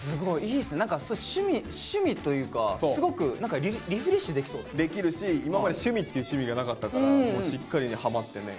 いいっすね何か趣味というかすごくできるし今まで趣味っていう趣味がなかったからしっかりねハマってね